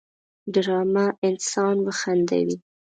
ډرامه انسان وخندوي